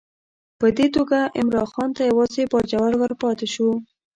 په دې توګه عمرا خان ته یوازې باجوړ ورپاته شو.